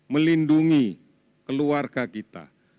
melindungi keluarga kita